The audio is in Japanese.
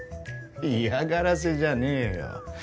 嫌がらせじゃねえよ